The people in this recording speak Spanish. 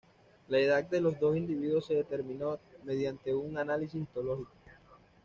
La edad de los dos individuos se determinó mediante un análisis histológico.